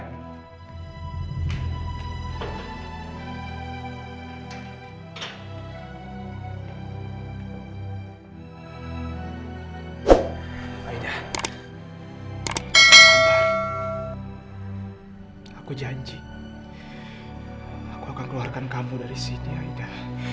aida sabar aku janji aku akan keluarkan kamu dari sini aida